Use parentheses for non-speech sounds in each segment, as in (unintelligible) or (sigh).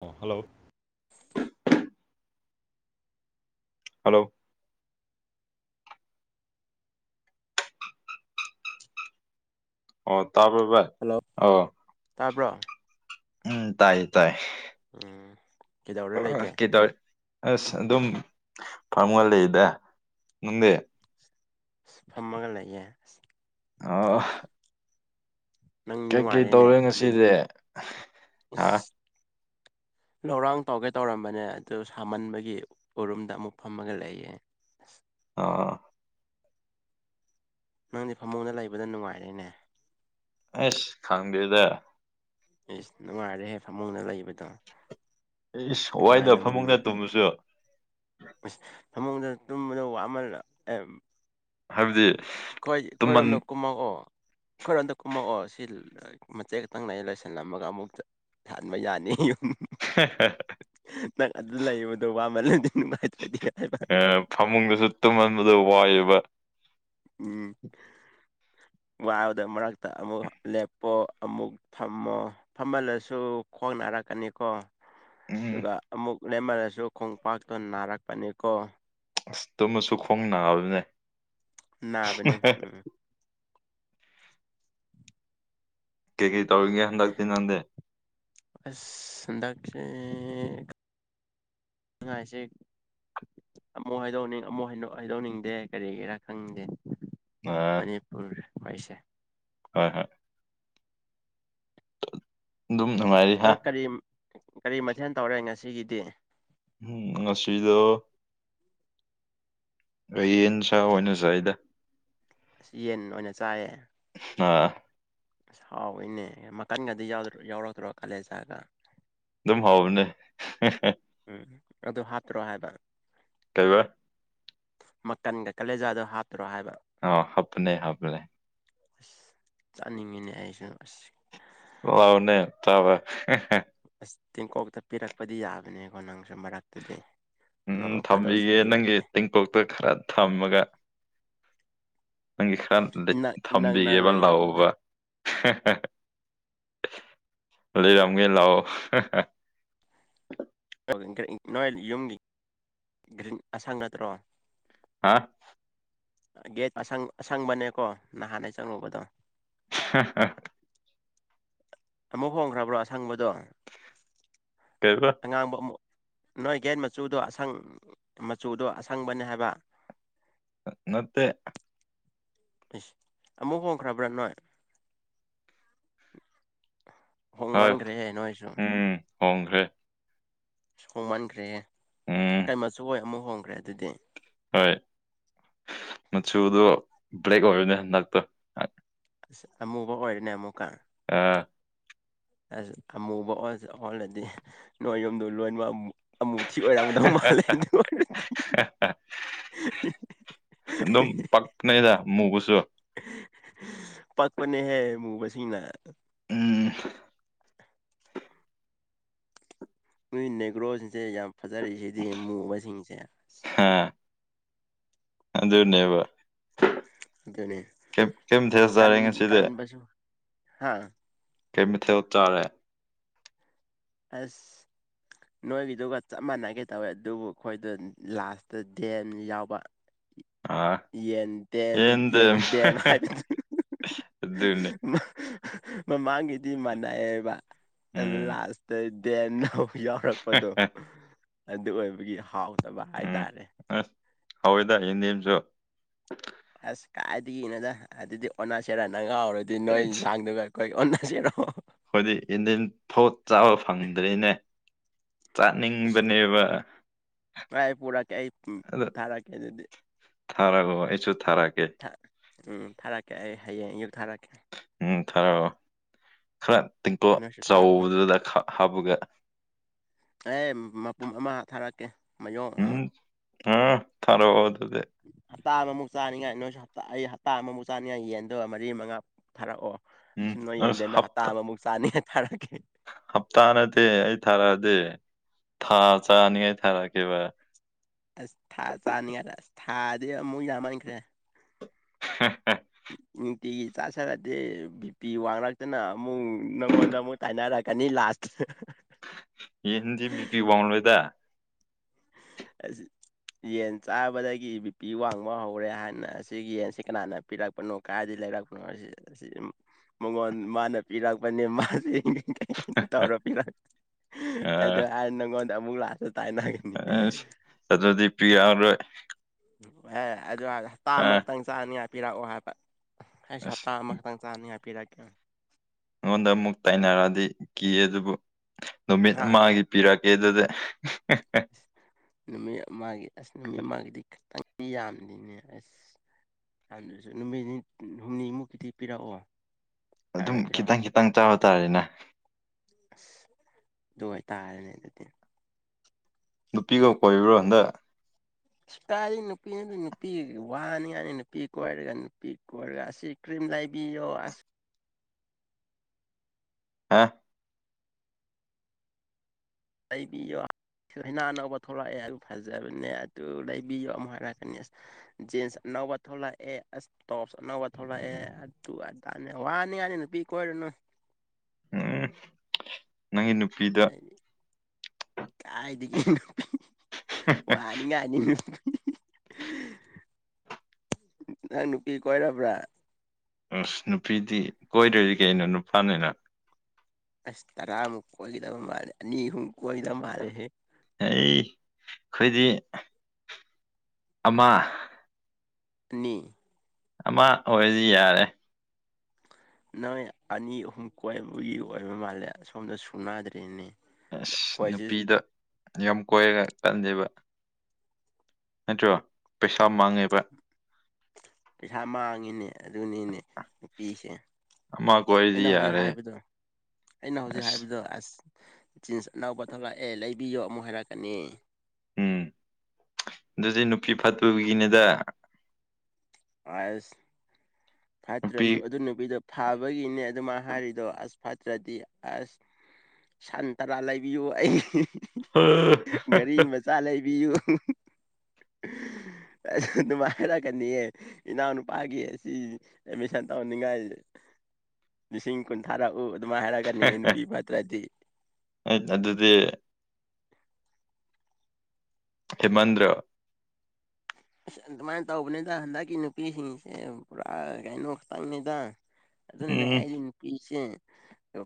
hello hello ꯑꯣ ꯇꯕ hello ꯑꯣ ꯇꯥꯕ꯭ꯔꯣ ꯎꯝ ꯇꯥꯏꯌꯦ ꯇꯥꯏ ꯎꯝ ꯀꯩꯗꯧꯔ ꯑ ꯂꯩꯒꯦ ꯀꯗꯔ ꯑꯁ ꯑꯗꯨꯝ ꯐꯥꯔꯃ ꯂꯩꯗ ꯅꯪꯗꯤ ꯑꯁ ꯐꯝꯃꯒ ꯂꯩꯌꯦꯦ ꯑꯁ ꯑ ꯅꯪ ꯀꯩꯀꯩ ꯅꯨꯡꯉꯥꯏꯔꯦꯅꯦ ꯇꯧꯔꯦ ꯉꯁꯤꯗꯤ ꯐꯃꯨꯡꯗ ꯑ ꯏꯁ (inaudible) ꯂꯧꯔꯥꯡ ꯇꯧꯒꯦ ꯇꯧꯔꯝꯕꯅꯦ ꯑꯗꯨ ꯁꯥꯃꯟꯕꯒꯤ ꯎꯔꯨꯝꯗ ꯑꯃꯨꯛ ꯐꯝꯃꯒ ꯂꯩꯌꯦꯦ ꯑꯁ ꯑꯥ ꯅꯪꯗꯤ ꯐꯃꯨꯡꯗ ꯂꯩꯕꯗ ꯅꯨꯡꯉꯥꯏꯔꯦꯅꯦ ꯑꯦꯁ ꯈꯝꯒꯦꯗ ꯏꯁꯁ ꯅꯨꯡꯉꯥꯏꯔꯦꯍꯦ ꯐꯃꯨꯡꯗ ꯂꯩꯕꯗꯣ ꯑꯩꯋꯥꯏꯗ ꯅꯨꯡꯉꯥꯏꯅ ꯃꯨꯟ ꯐꯃꯨꯡꯗ ꯇꯨꯝꯃꯨꯁꯨ ꯑꯗꯨ ꯋꯥꯃꯜ ꯑ ꯍꯥꯏꯕꯗꯤ ꯑꯩꯈꯣꯏ ꯇꯨꯝꯃꯟ ꯑꯩꯈꯣꯏꯔꯣꯝꯗ ꯀꯨꯝꯃꯛꯑꯣ ꯑꯩꯈꯣꯏꯔꯣꯝꯗ ꯀꯨꯝꯃꯛꯑꯣ ꯁꯤ ꯁꯤ ꯃꯆꯦ ꯈꯛꯇꯪꯅꯅ ꯂꯣꯏꯁꯜꯂꯝꯃꯒ ꯑꯃꯨꯛ ꯊꯍꯟꯕ ꯌꯥꯅꯤꯨꯝ ꯅꯪ ꯑꯗꯨ ꯂꯩꯕꯗꯣ ꯋꯥꯃꯜ ꯑꯦ ꯐꯃꯨꯡꯗꯁꯨ ꯇꯨꯝꯍꯟꯕꯗꯣ ꯋꯥꯏꯑꯦꯕ ꯎꯝ ꯋꯥꯕꯗ ꯃꯔꯛꯇ ꯑꯃꯨꯛ ꯂꯦꯞꯄꯣ ꯑꯃꯨꯛ ꯐꯝꯃꯣ ꯐꯝꯍꯜꯂꯁꯨ ꯈꯣꯡ ꯅꯥꯔꯛꯀꯅꯤꯀꯣ ꯎꯝ ꯑꯗꯨꯒ ꯑꯃꯨꯛ ꯂꯦꯝꯃꯔꯁꯨ ꯈꯣꯡꯄꯥꯛꯇꯣ ꯅꯥꯔꯛꯄꯅꯤꯀꯣ ꯑꯁ ꯇꯃꯁꯨ ꯈꯣꯡ ꯅꯥꯕꯅꯦ ꯅꯥꯕꯅꯤ ꯎꯝ ꯀꯦ ꯀꯩ ꯇꯧꯒꯌꯥꯅ ꯂꯥꯛꯇ ꯅꯥꯟꯗꯦ ꯑꯁ (inaudible) ꯑꯁꯦ ꯑꯃꯨꯛ ꯍꯥꯏꯗꯣꯛꯅꯤꯡ ꯑꯃꯨꯛ ꯍꯥꯏꯗꯣꯛꯅꯤꯡꯗꯦ ꯀꯔꯤꯒꯤꯔꯥ ꯈꯪꯅꯤꯡꯗꯦ ꯑ ꯃꯅꯤꯄꯨꯔ ꯍꯥꯏꯁꯦ ꯍꯣꯏ ꯍꯣꯏ ꯑꯗꯨꯝ ꯅꯨꯡꯉꯥꯏꯔꯤ ꯍꯥ ꯒꯥꯔꯤ ꯃꯊꯦꯜ ꯇꯧꯔꯦ ꯉꯁꯤꯒꯤꯗꯤ ꯎꯝ ꯉꯁꯤꯗ ꯑꯩꯟꯁꯥ ꯑꯣꯏꯅꯁ ꯑꯩꯗ ꯑꯁ ꯌꯦꯟ ꯑꯣꯏꯅ ꯆꯥꯏꯌꯦ ꯑ ꯑꯁ ꯍꯥꯎꯋꯏꯅꯦ ꯃꯈꯟꯒꯗꯤ ꯌꯥꯎꯔꯛꯇ꯭ꯔꯣ ꯀꯥꯂꯦꯖꯥꯒ ꯍꯅ ꯎꯝ ꯑꯗꯨ ꯍꯥꯞꯇ꯭ꯔꯣ ꯍꯥꯏꯕ ꯇꯩꯕ ꯃꯈꯀꯟꯒ ꯀꯥꯂꯦꯖꯥꯗꯣ ꯍꯥꯞꯇꯔꯣ ꯍꯥꯏꯕ ꯑ ꯍꯥꯞꯅꯦ ꯍꯥꯞꯅꯦ ꯑꯁ ꯆꯥꯅꯤꯡꯉꯤꯅꯦ ꯑꯩꯁꯨ ꯑꯁ ꯂꯥꯎꯅꯦ ꯇꯥꯕ ꯑꯁ ꯇꯦꯡꯀꯣꯛꯇ ꯄꯤꯔꯛꯄꯗꯤ ꯌꯥꯕꯅꯦꯀꯣ ꯅꯪꯁꯨ ꯃꯔꯛꯇꯨꯗꯤ ꯎꯝ ꯊꯝꯕꯤꯒꯦ ꯅꯪꯒꯤ ꯇꯦꯡꯄꯣꯛꯇ ꯈꯔ ꯊꯝꯃꯒ ꯅꯪꯒꯤ ꯈꯔ ꯏꯅꯛ ꯏꯅꯛ ꯅꯛ ꯊꯝꯕꯤꯒꯦꯕ ꯂꯩꯔꯝꯃꯒ ꯂꯥꯛꯑꯣꯕ ꯂꯩꯔꯝꯒꯦ ꯂꯑꯣ ꯔꯤ ꯅꯣꯏꯜ ꯌꯨꯝꯒꯤ ꯒ꯭ꯔꯤꯟ ꯑꯁꯪꯒꯠꯇ꯭ꯔꯣ ꯍꯥ ꯒꯦꯠꯁ ꯑꯁꯪꯕꯅꯦꯀꯣ ꯅꯍꯥꯟꯅ ꯆꯪꯉꯨꯕꯗꯣ (inaudible) ꯑꯃꯨꯛ ꯍꯣꯡꯈ꯭ꯔꯕ꯭ꯔꯣ ꯑꯁꯪꯕꯗꯣ ꯀꯩꯕ ꯑꯉꯥꯡꯕ ꯑꯃꯨꯛ ꯅꯣꯏ ꯒꯦꯠ ꯃꯆꯨꯗꯣ ꯑꯁꯪ ꯃꯆꯨꯗꯣ ꯑꯁꯪꯕꯅꯤ ꯍꯥꯏꯕ ꯅꯠꯇꯦ ꯃꯨ ꯍꯣꯡꯈ꯭ꯔꯕ꯭ꯔꯥ ꯅꯣꯏ ꯍꯣꯏ ꯍꯣꯡꯃꯟꯈ꯭ꯔꯦꯍꯦ ꯅꯣꯏꯁꯨ ꯎꯝ ꯍꯣꯡꯈ꯭ꯔꯦ ꯍꯣꯡꯃꯟꯈ꯭ꯔꯦꯍꯦ ꯎꯝ ꯀꯩ ꯃꯆꯨ ꯑꯣꯏ ꯑꯃꯨꯛ ꯍꯣꯡꯈ꯭ꯔꯦ ꯑꯗꯨꯗꯤ ꯍꯣꯏ ꯃꯆꯗ ꯭ꯂꯦꯦꯛ ꯑꯣꯏꯅꯦ ꯂꯥꯛꯛꯇ ꯑꯃꯨꯕ ꯑꯣꯏꯅꯦ ꯑꯃꯨꯛ ꯀꯥ ꯑꯥ ꯑꯁ ꯑꯃꯨꯕ ꯑꯣ ꯑꯣꯜꯂꯗꯤ ꯅꯣꯏ ꯌꯨꯝꯗ ꯂꯣꯏꯕ ꯑꯃꯨꯛ ꯊꯤ ꯑꯣꯏꯔꯥꯡꯗꯪ ꯃꯥꯂꯦꯗ ꯑꯣꯏꯔ ꯑꯗꯨ ꯑꯗꯨꯝ ꯄꯛꯅꯩꯗ ꯃꯨꯕꯨꯁꯨ ꯑꯅ ꯎꯝ ꯅꯣꯏ ꯅꯦꯒ꯭ꯔꯣꯁꯤꯡꯁꯦ ꯌꯥꯝ ꯐꯖꯔꯤꯁꯤꯗꯤ ꯃꯨꯕꯁꯤꯡꯁꯦ ꯑꯁ ꯑꯗꯅꯦꯦꯕ ꯑꯗꯨ ꯑꯗꯨꯅꯤ ꯀꯥꯟ ꯉꯁꯤꯗꯤ ꯀꯥꯟꯁꯨ ꯍꯥ ꯀ ꯃꯊꯦ ꯎꯆ ꯆꯔꯦ ꯑꯁ ꯅꯣꯏꯒꯤꯗꯨꯒ ꯆꯞ ꯃꯥꯟꯅꯒꯦ ꯇꯧꯋꯦ ꯑꯗꯨꯕꯨ ꯑꯩꯈꯣꯏꯗ ꯂꯥꯁꯇ ꯗꯦꯟ ꯑꯃ ꯌꯥꯎꯕ ꯑꯥ ꯌꯦꯟꯇꯦꯟ ꯌꯦꯟꯗꯦꯝ ꯌꯦꯟꯇ ꯍꯥꯏ ꯑꯗꯨꯅꯦ ꯃꯥ ꯃꯃꯥꯡꯒꯤꯗꯤ ꯃꯥꯟꯅꯩꯑꯕ ꯎꯝ ꯂꯥꯁꯇ ꯗꯦꯟꯧ ꯌꯥꯎꯔꯛꯄꯗꯣ ꯑꯗꯨ ꯑꯣꯏꯕꯒꯤ ꯍꯥꯎꯇꯕ ꯍꯥꯏꯇꯥꯔꯦ ꯍꯥꯎꯣꯏꯗ ꯌꯦꯅꯤꯦꯦꯝꯁꯨꯣ ꯑꯁ ꯀꯥꯏꯏꯗꯒꯤꯗꯒꯤꯅꯣꯗ ꯑꯗꯨꯗꯤ ꯑꯣꯅꯥ ꯁꯦꯔꯥꯅ ꯉꯥꯎꯔꯗꯤ ꯅꯣꯏ ꯌꯦꯟꯁꯥꯡꯗꯨꯒ ꯑꯩꯩ ꯑꯗꯖꯔꯣ ꯑꯩꯣꯏꯗꯤ ꯏꯟꯗꯤꯟ ꯐꯣꯠ ꯆꯥꯕ ꯐꯪꯗ꯭ꯔꯔꯤꯅꯦ ꯆꯥꯅꯤꯡꯕꯅꯦꯕ ꯉ ꯄꯨꯔꯥ ꯀ ꯑꯩ ꯊꯔꯥ ꯀꯦ ꯑꯗꯨꯗꯤ ꯊꯥꯔꯛꯒꯣ ꯑꯩꯁꯨ ꯊꯥꯔꯛꯑꯀꯦ ꯎꯝ ꯊꯥꯔꯛꯀꯦ ꯑꯩ ꯍꯌꯦꯡ ꯑꯌꯨꯛ ꯊꯥꯔꯛꯀꯦ ꯎ ꯊꯔꯣ ꯈꯔ ꯇꯦꯡꯀꯣ ꯅꯣꯏꯁꯨ ꯊꯥꯔꯛꯑꯣ ꯆꯥꯎꯕꯗꯨꯗ ꯍꯥꯞꯄꯨꯒ ꯑꯦ ꯃꯄꯨꯝ ꯑꯃ ꯊꯥꯔꯛꯀꯦ ꯃꯌꯣꯟ ꯑꯃ ꯎꯝ ꯑꯥ ꯇꯔꯣ ꯍꯗꯗꯦ ꯍꯞꯇꯥ ꯑꯃꯃꯨꯛ ꯆꯥꯅꯤꯡꯉꯥꯏ ꯅꯣꯏꯁꯨ ꯑꯩ ꯍꯞꯇꯥ ꯑꯃꯃꯨꯛ ꯆꯥꯅꯤꯡꯉꯥꯏ ꯌꯦꯟꯗꯣ ꯃꯔꯤ ꯃꯉꯥ ꯊꯥꯔꯛꯑꯣ ꯎꯝ ꯑ ꯅꯣꯏ ꯑꯁ ꯌꯦꯟꯗꯦꯟꯗꯣ ꯍꯞꯇꯥ ꯑꯃꯃꯨꯛ ꯆꯥꯅꯤꯅ ꯊꯥꯔꯛꯀꯦ ꯍꯞꯇꯥ ꯅꯠꯇꯦ ꯑꯩ ꯊꯥꯔꯛꯑꯗꯤ ꯊꯥ ꯆꯥꯅꯤꯉꯥꯏ ꯊꯥꯔꯛꯈꯤꯕ ꯑꯁ ꯊꯥ ꯆꯥꯅꯤꯡꯉꯥꯏꯗ ꯑꯁ ꯊꯥꯗꯤ ꯑꯃꯨꯛ ꯌꯥꯝꯃꯟꯈ꯭ꯔꯦ (inaudible) ꯅꯨꯡꯇꯤꯒꯤ ꯆꯥꯥꯁꯔꯗꯤ ꯕꯤ ꯄꯤ ꯋꯥꯡꯂꯛꯇꯅ ꯑꯃꯨꯛ ꯅꯪꯉꯣꯟꯗ ꯑꯃꯨꯛ ꯇꯥꯏꯅꯔꯛꯀꯅꯤ ꯂꯥꯁ (inaudible) ꯌꯦꯗꯤ ꯕꯤ ꯄꯤ ꯋꯥꯥꯎꯉꯂꯣꯏꯗ ꯑ ꯌꯦꯟ ꯆꯥꯕꯗꯒꯤ ꯕꯤ ꯄꯤ ꯋꯥꯡꯕ ꯍꯧꯔꯦ ꯍꯥꯏꯅ ꯑꯁꯤꯒꯤ ꯌꯦꯟꯁꯤ ꯀꯅꯥꯅ ꯄꯤꯔꯛꯄꯅꯣ ꯀꯗꯥꯗꯤ ꯂꯩꯔꯛꯄꯅꯣ ꯃꯉꯣꯟ ꯃꯥꯅ ꯄꯤꯔꯛꯄꯅꯦ ꯃꯥꯁꯦ ꯀꯩ ꯀꯩꯅ ꯇꯧꯔ ꯄꯤꯔ ꯑꯗꯨ ꯑ ꯍꯥꯏꯔ ꯅꯪꯉꯣꯟꯗ ꯑꯃꯨꯛ ꯂꯥꯛꯁꯨ ꯇꯥꯏꯅꯒꯅꯤ ꯎ ꯑꯗꯨꯗꯤ ꯄꯤꯔꯛꯎꯔꯣꯏ ꯑꯣ ꯍ ꯑꯗꯨ ꯍꯞꯇꯥꯃꯛꯇꯪ ꯆꯥꯅꯤꯉꯥꯏ ꯄꯤꯔꯛꯑꯣ ꯍꯥꯏꯕ ꯑꯩꯁ ꯑꯁ ꯍꯞꯇꯥ ꯑꯃꯈꯛꯇꯪ ꯆꯥꯅꯤ ꯍꯥꯞꯄꯤꯔꯦ ꯑꯩꯉꯣꯟꯗ ꯑꯃꯨꯛ ꯇꯥꯏꯅꯔꯛꯑꯗꯤ ꯀꯤ ꯑꯗꯨꯕꯨ ꯅꯨꯃꯤꯠ ꯍꯥ ꯑꯃꯒꯤ ꯄꯤꯔꯛ ꯑꯦꯗꯗ ꯑ ꯅꯨꯃꯤꯠ ꯃꯥꯒꯤ ꯑꯁ ꯅꯨꯃꯤꯠ ꯃꯥꯒꯤꯗꯤ ꯈꯤꯇꯪ ꯃꯤ ꯌꯥꯝꯗꯤꯅꯦ ꯑꯁ ꯍꯥꯟꯗꯁꯨ ꯅꯨꯃꯤꯠ ꯅꯤ ꯍꯨꯝꯅꯤꯃꯨꯛꯀꯤꯗꯤ ꯄꯤꯔꯛꯑꯣ ꯑꯗꯨꯝ ꯌꯥꯔꯣꯏꯗ꯭ꯔꯣ ꯈꯤꯇꯪ ꯈꯤꯇꯪ ꯆꯥꯕ ꯇꯥꯔꯦꯅꯦ ꯑꯁ ꯑꯗꯨ ꯑꯣꯏꯇꯥꯔꯅꯦ ꯑꯗꯨꯗꯤ ꯅꯨꯄꯤꯒ ꯀꯣꯏꯕ꯭ꯔꯣ ꯑꯗ ꯀꯥꯏꯔꯤ ꯅꯨꯄꯤꯅꯗꯤ ꯅꯨꯄꯤ ꯋꯥꯅꯤꯉꯥꯏꯅꯤ ꯅꯨꯄꯤ ꯀꯣꯏꯔꯒ ꯅꯨꯄꯤ ꯀꯣꯏꯔꯒ ꯑꯁꯤ ꯀꯔꯤ ꯂꯩꯥꯏꯕꯤꯣ ꯑꯁ ꯍꯥꯥ ꯑꯩꯕꯤ ꯌ ꯍꯅꯥ ꯑꯅꯧꯕ ꯊꯣꯛꯂꯛꯑꯦ ꯑꯗꯨ ꯐꯖꯕꯅꯦ ꯑꯗꯨ ꯂꯩꯕꯤꯌꯣ ꯑꯃꯨꯛ ꯍꯥꯏꯔꯛꯀꯅꯤ ꯖꯤꯟꯁ ꯑꯅꯧꯕ ꯊꯣꯛꯂꯛꯑꯦ ꯑꯁ ꯇꯣꯞꯁ ꯑꯅꯧꯕ ꯊꯣꯛꯂꯛꯑꯦ ꯑꯗꯨ ꯑꯇꯥꯅꯦ ꯋꯥꯅꯤ ꯌꯥꯅꯤ ꯅꯨꯄꯤ ꯀꯣꯏꯔꯨꯅꯨ ꯎꯝ ꯅꯪꯒꯤ ꯅꯨꯄꯤꯗ ꯀꯥꯏꯗꯤ ꯋꯥꯅꯤꯉꯥꯏꯅꯤ ꯊꯅꯅꯨꯡ ꯀ ꯀꯣꯏꯔꯕ꯭ꯔꯥ ꯑꯁ ꯅꯨꯄꯤꯗꯤ ꯀꯣꯏꯗꯣꯏꯗꯤ ꯀꯩꯅꯣ ꯅꯨꯄꯥꯅꯤꯅ ꯑꯁ ꯇꯔꯥꯃꯨꯛ ꯀꯋꯥꯈꯤꯗꯕ ꯃꯥꯂꯦ ꯑꯅꯤꯍꯨꯛ ꯀꯈꯤꯗꯕ ꯃꯥꯂꯦꯍꯦ ꯑꯩ ꯑꯩꯈꯣꯏꯗꯤ ꯑꯃ ꯑꯅꯤ ꯑꯃ ꯑꯣꯏꯔꯁꯤ ꯌꯥꯔꯦ ꯅꯣꯏ ꯑꯅꯤ ꯑꯍꯨꯝ ꯀꯣꯏꯕꯒꯤ ꯑꯣꯏꯕ ꯃꯥꯜꯂꯦ ꯁꯁꯣꯝꯗ ꯁꯨꯅꯗ꯭ꯔꯔꯤꯅꯦ ꯑꯁ ꯅꯨꯄꯤꯗ ꯌ ꯀꯣꯏꯔꯒ ꯀꯜꯂꯦꯕ ꯅꯠꯇ꯭ꯔꯣ ꯄꯩꯁꯥ ꯃꯥꯡꯉꯦꯕ ꯄꯩꯁꯥ ꯃꯥꯡꯉꯤꯅꯦ ꯑꯗꯨꯅꯤꯅꯦ ꯅꯨꯄꯤꯁꯦ ꯑꯃ ꯀꯣꯏꯔꯗꯤ ꯑꯩꯅ ꯍꯧꯖꯤꯛ ꯌꯥꯔꯦ ꯍꯥꯏꯕꯗꯣ ꯑꯩꯅ ꯍꯧꯖꯤꯛ ꯑꯁ ꯍꯥꯏꯕꯗꯣ ꯑꯁ ꯖꯤꯟꯁ ꯑꯅꯕ ꯊꯣꯛꯂꯛꯑꯦ ꯂꯩꯕꯤꯌꯣ ꯑꯃꯨꯛ ꯍꯥꯏꯔꯛꯀꯅꯤ ꯎꯝ ꯑꯗꯨꯗꯤ ꯅꯨꯄꯤ ꯐꯠꯇꯕꯒꯤꯅꯦꯗ ꯑꯁ ꯅꯨꯄꯤ ꯐꯠꯇ꯭ꯔꯁꯨ ꯑꯗꯨ ꯅꯨꯕꯤꯗ ꯊꯥꯕꯒꯤꯅꯦ ꯑꯗꯨꯃꯥꯏꯅ ꯍꯥꯏꯔꯤꯗꯣ ꯑꯁ ꯐꯠꯇ꯭ꯔꯗꯤ ꯑꯁ ꯁꯟ ꯇꯔꯥ ꯂꯩꯕꯤꯌꯨ ꯑꯩ ꯒꯥꯔꯤ ꯃꯆꯥ ꯂꯩꯕꯤꯌꯨ (inaudible) ꯑ ꯑꯗꯨꯅꯨꯡꯃꯥꯏ ꯍꯥꯏꯔꯛꯀꯅꯤꯌꯦ ꯏꯅꯥꯎ ꯅꯨꯄꯥꯒꯤ ꯑꯁꯤ ꯑꯦꯃꯤꯁꯟ ꯇꯧꯍꯟꯅꯤꯡꯉꯥꯏꯁꯦ (inaudible) ꯂꯤꯁꯤꯡ ꯀꯨꯟꯊꯥꯔꯥꯛꯎ ꯑꯗꯨꯃꯥꯏꯅ ꯍꯥꯏꯔꯛꯒꯅꯦꯦ ꯅꯨꯄꯤꯤꯕꯠꯇ꯭ꯔꯗꯤ ꯑ ꯑꯗꯨꯗꯗꯤ ꯍꯤꯃꯟꯗ꯭ꯔ ꯑꯁ ꯑꯗꯨꯃꯥꯏꯅ ꯇꯧꯕꯅꯤꯗ ꯍꯟꯗꯛꯀꯤ ꯅꯨꯄꯤꯁꯤꯡꯁꯦ ꯄꯨꯔꯥ ꯀꯩꯅꯣ ꯈꯛꯇꯪꯅꯤꯗ ꯑꯗꯨꯅꯅꯦ ꯎꯝ ꯑꯩꯗꯤ ꯅꯨꯄꯤꯁꯦ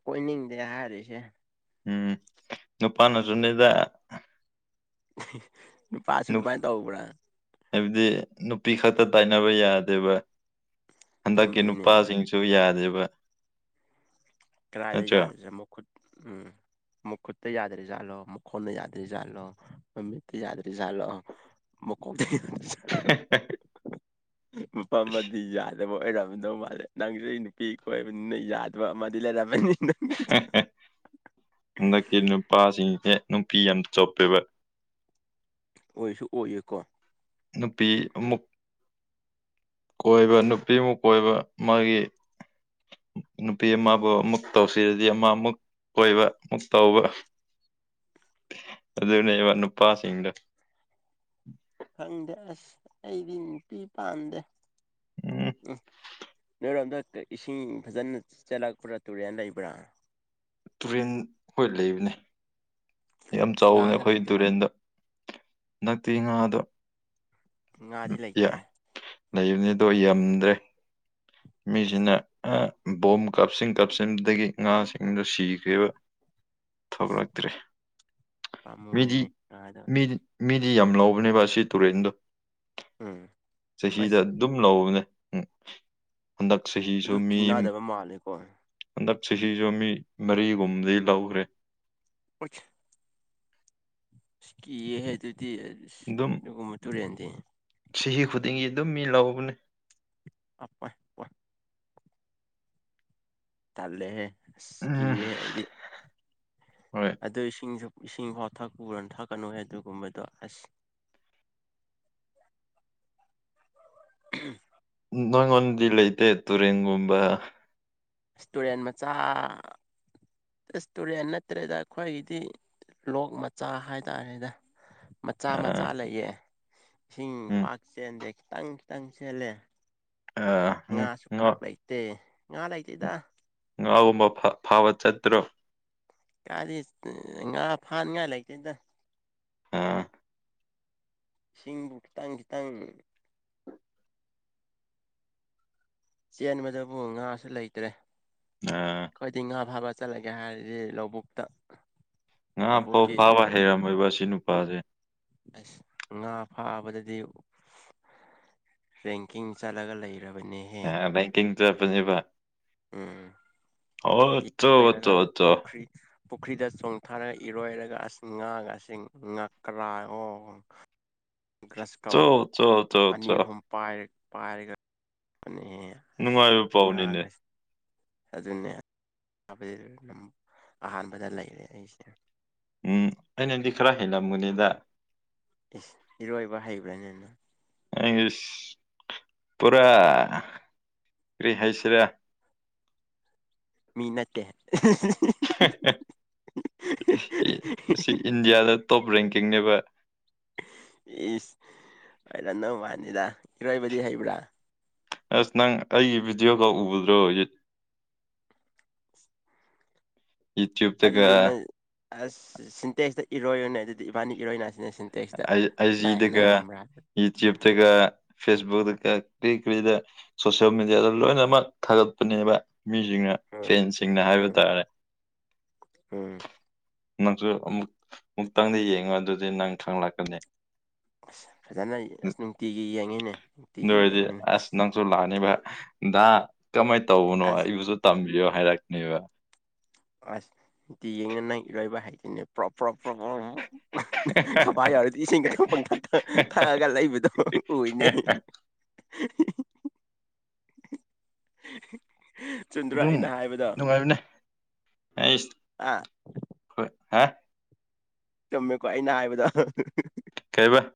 ꯀꯣꯏꯅꯤꯡꯗꯦ ꯍꯥꯏꯔꯤꯁꯦ ꯎꯝ ꯅꯨꯄꯥꯅꯁꯨꯅꯤꯗ (inaudible) ꯅꯨ ꯑꯗꯨꯃꯥꯏꯅ ꯇꯧꯕ꯭ꯔꯥ ꯍꯥꯏꯕꯗꯤ ꯅꯨꯄꯤ ꯈ ꯍꯛꯇ ꯇꯥꯏꯅꯕ ꯌꯥꯗꯦꯕ ꯍꯟꯗꯛꯀꯤ ꯆꯨꯝꯃꯤꯅꯦ ꯑꯗꯨꯁꯨ ꯅꯨꯄꯥꯁꯤꯡꯁꯨ ꯌꯥꯗꯦꯕ ꯀꯗꯥꯥꯏꯗ ꯅꯠꯇ꯭ꯔꯣ ꯌꯥꯗꯁꯦ ꯃꯈꯨꯨꯠ ꯎꯝ ꯃꯈꯨꯨꯠ ꯇ ꯌꯥꯗ꯭ꯔꯔꯤꯖꯥꯠꯂꯣ ꯃꯈꯣꯟꯗ ꯌꯥꯗ꯭ꯔꯤꯖꯥꯠꯂꯣ ꯃꯃꯤꯠꯇ ꯌꯥꯗ꯭ꯔꯔꯤ ꯖꯥꯠꯂꯣ ꯃꯀꯣ (inaudible) ꯄ ꯃꯗꯤ ꯌꯥꯗ ꯂꯕ ꯑꯣꯏꯔꯝꯃꯗꯧ ꯃꯥꯜꯂꯦ ꯅꯪꯁꯨ ꯑꯩ ꯅꯨꯄꯤ ꯀꯣꯏꯕꯅꯤꯅ ꯌꯥꯗꯕ ꯑꯃꯗꯤ ꯂꯩꯔꯝꯃꯅꯤꯅ ꯍꯟꯗꯛꯀꯤ ꯅꯨꯄꯥꯁꯤꯡꯁꯦ ꯅꯨꯄꯤ ꯌꯥꯝ ꯆꯣꯞꯄꯦꯕ ꯑꯣꯏꯁꯨ ꯑꯣꯏꯌꯦꯀꯣ ꯅꯨꯄꯤ ꯑꯃꯨꯛ ꯀꯣꯏꯕ ꯅꯨꯄꯤꯃꯨꯛ ꯀꯣꯏꯕ ꯃꯥꯒꯤ ꯅꯨꯄꯤ ꯑꯃꯕꯨ ꯑꯃꯃꯨꯛ ꯇꯧꯁꯤꯖꯤ ꯑꯃ ꯑꯃꯨꯛ ꯀꯣꯏꯕ ꯑꯃꯨꯛ ꯇꯧꯕ ꯑꯗꯨꯗꯅꯦ ꯋꯥ ꯅꯨꯄꯥꯥꯁꯤꯡꯗ ꯈꯪꯗꯦ ꯑꯁ ꯑꯩꯗꯤ ꯅꯨꯄꯤ ꯄꯥꯟꯗꯦ ꯎꯝ ꯅꯣꯏꯔꯣꯝꯗ ꯏꯁꯤꯡ ꯐꯖꯅ ꯆꯠꯂꯛꯄ꯭ꯔꯥ ꯇꯨꯔꯦꯟ ꯂꯩꯕ꯭ꯔꯥ ꯇꯨꯔꯦꯟ ꯍꯣꯏ ꯂꯩꯕꯅꯦ ꯌꯥꯝ ꯑꯁ ꯆꯥꯎꯋꯅꯤ ꯉꯥꯒ ꯑꯩꯈꯣꯏ ꯂꯩꯇ꯭ꯔꯣ ꯇꯨꯔꯦꯟꯗ ꯍꯛꯇꯤ ꯉꯥꯗ ꯉꯥꯗꯤ ꯂꯩꯇꯦ ꯂꯩꯕꯅꯤꯗꯣ ꯌꯥꯝꯝꯗ꯭ꯔꯦ ꯑꯁ ꯃꯤꯖꯤꯅ ꯑ ꯕꯣꯝ ꯀꯥꯞꯁꯤꯟ ꯀꯥꯞꯁꯤꯟꯕꯗꯒꯤ ꯉꯥꯁꯤꯡꯗꯨ ꯁꯤꯈ꯭ꯔꯤꯕ ꯊꯕ ꯑꯁ ꯔꯗ꯭ꯔꯦ ꯃꯦꯗꯤ ꯄꯥꯝꯃꯨꯏꯅꯦ ꯉꯥꯗꯣ ꯃꯦ ꯁꯤ ꯌꯥꯝ ꯂꯧꯕꯅꯦꯕ ꯑꯁꯤ ꯇꯨꯔꯦꯟꯗꯣ ꯎꯝ ꯆꯍꯤꯗ ꯑꯁ ꯑꯗꯨꯝ ꯂꯧꯕꯅꯦ ꯎꯝ ꯍꯟꯗꯛ ꯆꯍꯤꯍꯤꯁꯨ ꯑꯗꯨ ꯃꯤ ꯀꯤꯅꯗꯕ ꯃꯥꯜꯂꯦꯀꯣ ꯍꯟꯗꯛ ꯆꯍꯤꯁꯨ ꯃꯤ ꯃꯔꯤꯒꯨꯝꯗꯤ ꯂꯧꯈ꯭ꯔꯦ ꯎꯆ ꯀꯤꯑ ꯍꯥꯏ ꯑꯗꯨꯗꯤ ꯑꯗꯨꯝ ꯑꯗꯨꯒꯨꯝꯕ ꯇꯨꯔꯦꯟꯗꯤ ꯆꯍꯤ ꯈꯨꯗꯤꯡꯒꯤ ꯑꯗꯨꯝ ꯃꯤ ꯂꯧꯕꯅꯦ ꯑꯄ ꯄꯣꯏ ꯇꯜꯦꯍꯦ ꯎꯝ ꯀꯍꯦ ꯍꯥꯏꯗꯤ ꯍꯣꯏ ꯑꯗꯨꯗꯁꯤꯡꯖ ꯏꯁꯤꯡꯐꯥꯎ ꯊꯛꯄꯨꯔꯅ ꯊꯛꯀꯅꯨ ꯑꯗꯨꯒꯨꯝꯕꯗꯣ ꯑꯁ (unintelligible) ꯅꯪꯣꯟꯣꯟꯗꯤ ꯂꯩꯇꯦ ꯇꯨꯔꯦꯟꯒꯨꯝꯕ ꯇꯨꯔꯦꯟ ꯃꯆꯥ ꯔꯦꯁꯇꯨꯔꯦꯟ ꯅꯠꯇ꯭ꯔꯦꯗ ꯑꯩꯈꯣꯏꯒꯤꯗꯤ ꯂꯣꯛ ꯃꯆꯥ ꯍꯥꯏꯇꯥꯔꯦꯗ ꯃꯆꯥ ꯃꯆꯥ ꯑꯥ ꯂꯩꯌꯦ ꯏꯁꯤꯡ ꯎꯝ ꯄꯥꯛ ꯆꯦꯟꯗꯦ ꯈꯤꯇꯪ ꯈꯤꯇꯪ ꯆꯦꯜꯂꯦ ꯑꯥ ꯎꯝ ꯉꯥꯁꯨ ꯉꯥ ꯄꯥꯛ ꯂꯩꯇꯦ ꯉꯥ ꯂꯩꯇꯦꯗ ꯉꯥꯒꯨꯝꯕ ꯐꯥꯕ ꯆꯠꯇ꯭ꯔꯣ ꯀꯥꯗꯤ ꯉꯥ ꯐꯥꯅꯤꯡꯉꯥꯏ ꯂꯩꯇꯦꯗ ꯑꯥ ꯏꯁꯤꯡꯕꯨ ꯈꯤꯇꯥꯡ ꯈꯤꯇꯥꯡ ꯆꯦꯟꯕꯗꯕꯨ ꯉꯥꯁꯨ ꯂꯩꯇ꯭ꯔꯦ ꯑꯥ ꯑꯩꯈꯣꯏꯗꯤ ꯉꯥ ꯐꯥꯕ ꯆꯠꯂꯒꯦ ꯍꯥꯏꯔꯤꯁꯦ ꯂꯧꯕꯨꯛꯇ ꯉꯥ ꯐꯥꯎ ꯂꯧꯕꯨꯛꯀꯤ ꯐꯥꯕ ꯍꯩꯔꯝꯃꯣꯏꯕ ꯁꯤ ꯅꯨꯄꯥꯁꯦ ꯑꯁ ꯉꯥ ꯐꯥꯕꯗꯗꯤ ꯔꯦꯡꯀꯤꯡ ꯆꯂꯒ ꯂꯩꯔ ꯑ ꯇꯄꯕ ꯎꯝ ꯏꯔꯣꯏꯔꯒ ꯍꯥꯎꯠꯇꯠꯇ ꯄꯨꯈ꯭ꯔꯤ ꯄꯨꯈ꯭ꯔꯤꯗ ꯆꯣꯡꯊꯥꯔꯒ ꯏꯔꯣꯏꯔꯒ ꯑꯁ ꯉꯥꯒ ꯑꯁꯤ ꯉꯥꯛꯀ꯭ꯔꯥ ꯑꯣ ꯒ꯭ꯔꯁ ꯀꯕ ꯆꯣ ꯆꯣ ꯆꯣ ꯑꯅꯤ ꯆꯣ ꯑꯍꯨꯝ ꯄꯥꯏꯔꯒ ꯅꯨꯡꯉꯥꯏꯕ ꯄꯥꯎꯅꯤꯅꯦ ꯉꯥꯒꯁꯦ ꯑꯗꯨꯅꯦ ꯑꯍꯥꯟꯕꯗ ꯂꯩꯔꯦ ꯑꯩꯁꯦ ꯎꯝ ꯑꯩꯅꯗꯤ ꯈꯔ ꯍꯂꯝ ꯃꯨꯅꯤꯗ ꯏꯁ ꯏꯔꯣꯏꯕ ꯍꯩꯕ꯭ꯔꯥꯅꯤꯅ ꯑꯩ ꯄꯨꯔꯥ ꯀꯔꯤ ꯍꯥꯏꯁꯤꯔꯥ ꯃꯤ ꯅꯠꯇꯦ ꯁꯤ ꯏꯟꯗꯤꯌꯥꯗ ꯇꯣꯞ ꯔꯦꯡꯀꯤꯡꯅꯦꯕ ꯏꯁꯁ ꯑꯔ ꯅꯧ ꯃꯥꯅꯤꯗ ꯏꯔꯣꯏꯕꯗꯤ ꯍꯩꯕ꯭ꯔꯥ ꯑꯁ ꯅꯪ ꯑꯩꯒꯤ ꯚꯤꯗꯤꯑꯣꯒ ꯎꯕꯗ꯭ꯔꯣꯠ ꯑꯗꯨꯗꯤ ꯅ ꯑꯁ ꯁꯤꯟꯇꯦꯛꯁꯇ ꯏꯔꯣꯏꯅꯦ ꯑꯗꯨꯗꯤ ꯏꯕꯥꯅꯤ ꯏꯔꯣꯏꯅꯁꯤꯦ ꯑꯩꯖꯤꯗꯒ ꯌꯨꯇ꯭ꯌꯨꯕꯇꯒ ꯐꯦꯁꯕꯨꯛꯛꯇꯒ ꯀꯔꯤ ꯀꯔꯤꯗ ꯁꯣꯁꯤꯜ ꯃꯦꯗꯤꯌꯥꯗ ꯂꯣꯏꯅꯃꯛ ꯊꯥꯒꯠꯄꯅꯦꯕ ꯃꯤꯁꯤꯡꯅ ꯎꯝ ꯐꯦꯟꯁꯤꯡꯅ ꯍꯥꯏꯕ ꯎꯝ ꯇꯥꯔꯦ ꯎꯝ ꯅꯪꯁꯨ ꯑꯃꯨꯛ ꯑꯃꯨꯛꯇꯪꯗꯤ ꯌꯦꯡꯉꯣ ꯑꯗꯨꯗꯤ ꯅꯪ ꯈꯪꯍꯂꯛꯀꯅꯤ ꯑꯁ ꯐꯖꯅ ꯑꯁ ꯅꯨꯡꯇꯤꯒꯤ ꯌꯦꯡꯉꯤꯅꯦ ꯑꯗꯨ ꯅꯨꯡꯇꯤꯒꯤ ꯑꯣꯏꯔꯗꯤ ꯌꯦꯡꯉꯤꯅꯦ ꯑꯁ ꯅꯪꯁꯨ ꯂꯥꯛꯑꯅꯤꯕ ꯀꯃꯥꯏꯅ ꯇꯧꯕꯅꯣ ꯑꯁ ꯑꯩꯕꯨꯁꯨ ꯇꯝꯕꯤꯌꯣ ꯍꯥꯏꯔꯛꯅꯦꯕ ꯑꯁꯇꯤ ꯌꯦꯡꯅꯤ ꯅꯪ ꯏꯔꯣꯏꯕ ꯍꯥꯏꯁꯤꯅꯦ ꯄꯣ ꯄꯣ ꯄ ꯈꯕꯥ ꯌꯥꯎꯔꯗꯤ ꯏꯁꯤꯡ ꯈꯤꯇꯪ ꯄꯪꯊꯠ ꯊꯛꯑꯒ ꯂꯩꯕꯗꯣ ꯎꯏꯅꯦꯩ (inaudible) ꯆꯟꯗ꯭ꯔꯥ ꯑꯗꯨꯝ ꯑꯩꯅ ꯍꯥꯏꯕꯗ ꯣꯏ ꯆꯨꯝꯃꯦꯀꯣ ꯑꯩꯅ ꯍꯥꯏꯕꯗ ꯀꯩꯕ